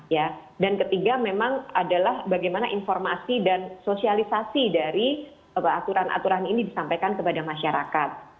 ya dan ketiga memang adalah bagaimana informasi dan sosialisasi dari aturan aturan ini disampaikan kepada masyarakat